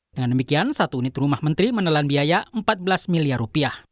dengan demikian satu unit rumah menteri menelan biaya rp empat belas miliar